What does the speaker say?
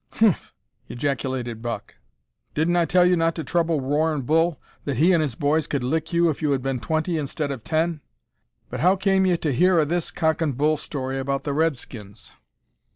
"Humph!" ejaculated Buck, "didn't I tell you not to trouble Roarin' Bull that he and his boys could lick you if you had been twenty instead of ten. But how came ye to hear o' this cock and bull story about the Redskins?"